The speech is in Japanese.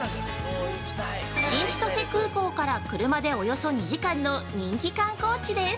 新千歳空港から車でおよそ２時間の人気観光地です